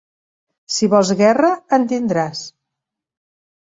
Si vols guerra, en tindràs.